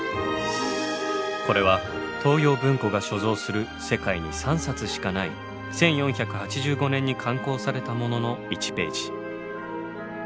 これは東洋文庫が所蔵する世界に３冊しかない１４８５年に刊行されたものの１ページ。